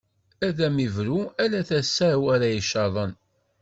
Ad am-ibru, ala tasa-w ara icaḍen.